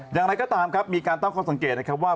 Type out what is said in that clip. อย่างไรก็ตามครับมีการตั้งข้อสังเกตนะครับว่า